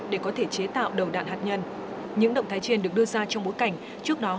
để có thể chế tạo đầu đạn hạt nhân những động thái trên được đưa ra trong bối cảnh trước đó